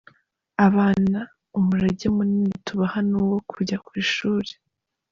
Abana umurage munini tubaha ni uwo kujya ku ishuri.